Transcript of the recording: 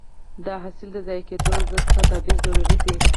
د حاصل د ضایع کېدو ضد تدابیر ضروري دي.